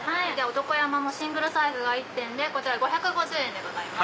男山のシングルサイズが１点で５５０円でございます。